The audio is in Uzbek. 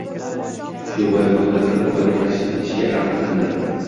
Shu bois u dastlab ularga tashrif etishga ahd qildi: